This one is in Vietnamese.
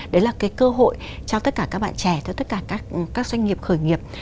đấy là cái cơ hội cho tất cả các bạn trẻ cho tất cả các doanh nghiệp khởi nghiệp